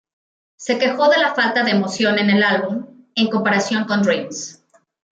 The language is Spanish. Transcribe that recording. Se quejó de la falta de emoción en el álbum, en comparación con Dreams.